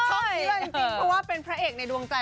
เชื่อจริงเพราะว่าเป็นพระเอกในดวงใจ